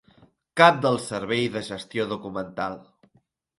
Cap del Servei de Gestió Documental.